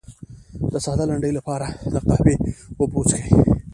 د ساه لنډۍ لپاره د قهوې اوبه وڅښئ